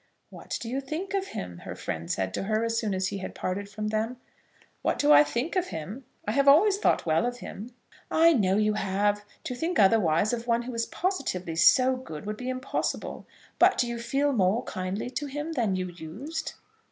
"What do you think of him?" her friend said to her, as soon as he had parted from them. "What do I think of him? I have always thought well of him." "I know you have; to think otherwise of one who is positively so good would be impossible. But do you feel more kindly to him than you used?"